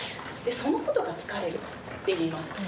そのことが疲れる」って言います。